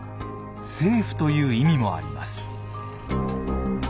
「政府」という意味もあります。